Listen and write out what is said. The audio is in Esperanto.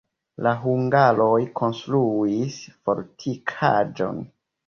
La hungaroj konstruis fortikaĵon.